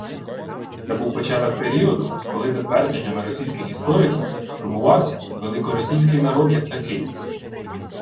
Це був початок періоду, коли, за твердженнями російських істориків, формувався «великоросійський» народ як такий